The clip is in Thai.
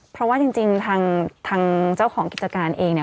เพราะว่าจริงทางเจ้าของกิจการเองเนี่ย